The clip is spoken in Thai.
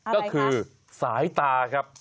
ก็คือสายตาครับ